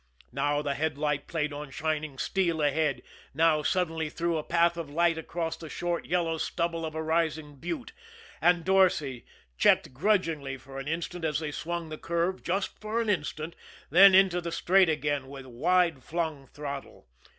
Now the headlight played on shining steel ahead; now suddenly threw a path of light across the short, yellow stubble of a rising butte, and Dorsay checked grudgingly for an instant as they swung the curve just for an instant then into the straight again, with wide flung throttle.